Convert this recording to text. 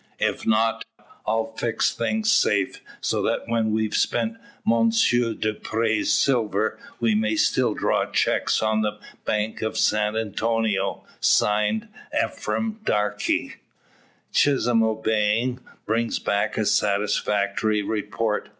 If not, I'll fix things safe, so that when we've spent Monsheer Dupre's silver, we may still draw cheques on the bank of San Antonio, signed Ephraim Darke." Chisholm obeying, brings back a satisfactory report.